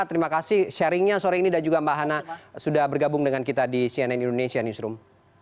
terima kasih sharingnya sore ini dan juga mbak hana sudah bergabung dengan kita di cnn indonesia newsroom